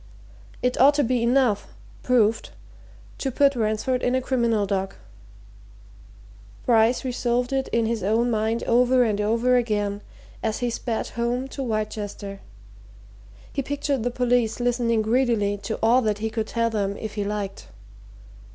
It ought to be enough proved to put Ransford in a criminal dock. Bryce resolved it in his own mind over and over again as he sped home to Wrychester he pictured the police listening greedily to all that he could tell them if he liked.